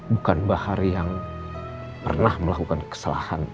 bukan bahar yang pernah melakukan kesalahan